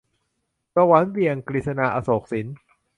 สวรรค์เบี่ยง - กฤษณา อโศกสิน